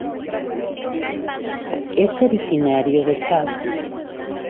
Es originario de Java.